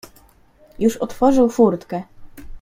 "Już otworzył furtkę."